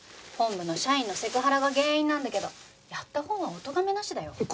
本部の社員のセクハラが原因なんだけどやったほうはおとがめなしだよ？